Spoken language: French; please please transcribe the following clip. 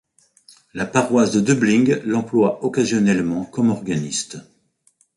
La paroisse de Döbling l'emploie occasionnellement comme organiste.